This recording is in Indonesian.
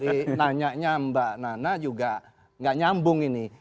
jadi nanya nyam mbak nana juga gak nyambung ini